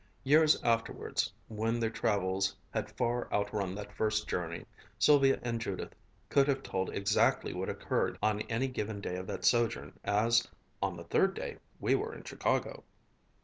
Years afterwards when their travels had far outrun that first journey, Sylvia and Judith could have told exactly what occurred on any given day of that sojourn, as "on the third day we were in Chicago."